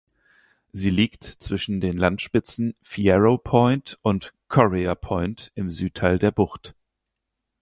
Sie liegt zwischen den Landspitzen Fierro Point und Correa Point im Südteil der Bucht.